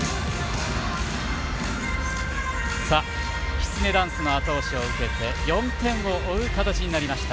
「きつねダンス」の後押しを受けて４点を追う形になりました。